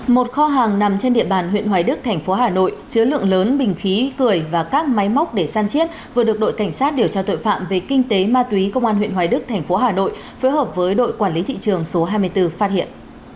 một kho hàng nằm trên địa bàn huyện hoài đức thành phố hà nội chứa lượng lớn bình khí cười và các máy móc để săn chiết vừa được đội cảnh sát điều tra tội phạm về kinh tế ma túy công an huyện hoài đức thành phố hà nội phối hợp với đội quản lý thị trường số hai mươi bốn phát hiện